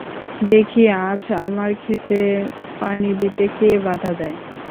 দেখি আজ আমার ক্ষেতে পানি দিতে কে বাধা দেয়!